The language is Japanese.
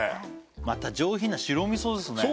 また上品な白味噌ですね